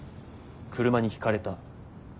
車にひかれた。